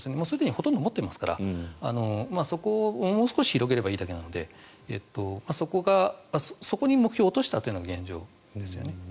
すでにほとんど持っていますからそこをもう少し広げればいいだけなのでそこに目標を落としたというのが現状ですよね。